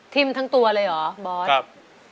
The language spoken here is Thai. ทิมทั้งตัวเลยเหรอบอส